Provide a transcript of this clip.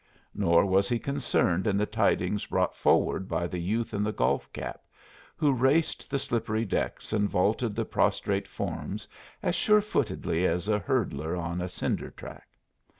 Nor was he concerned in the tidings brought forward by the youth in the golf cap, who raced the slippery decks and vaulted the prostrate forms as sure footedly as a hurdler on a cinder track.